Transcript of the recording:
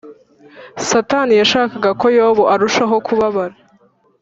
Satani yashakaga ko Yobu arushaho kubabara